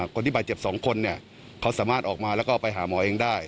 คนที่บาดเจ็บ๒คนเขาสามารถออกมาแล้วก็ไปหาหมอเองได้